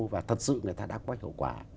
và thật sự người ta đã có hiệu quả